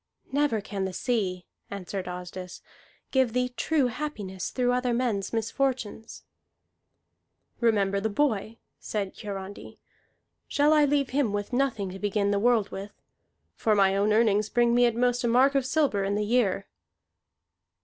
"Never can the sea," answered Asdis, "give thee true happiness through other men's misfortunes." "Remember the boy," said Hiarandi. "Shall I leave him with nothing to begin the world with? For my own earnings bring me at most a mark of silver in the year."